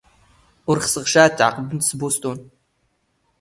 ⵓⵔ ⵅⵙⵖ ⵛⴰ ⴰⴷ ⵜⵄⵇⴱⵎⵜ ⵙ ⴱⵓⵙⵜⵏ.